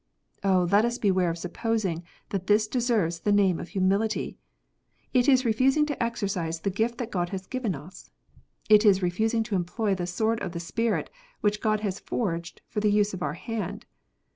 Oh, let us beware of supposing that this deserves the name of humility ! It is refusing to exercise the gift that God has given us. It is refusing to employ the sword of the Spirit which God has forged for the use of our hand.